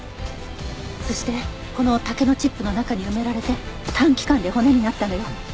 そしてこの竹のチップの中に埋められて短期間で骨になったのよ。